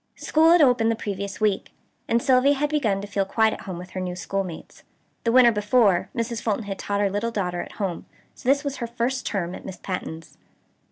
School had opened the previous week, and Sylvia had begun to feel quite at home with her new schoolmates. The winter before, Mrs. Fulton had taught her little daughter at home; so this was her first term at Miss Patten's.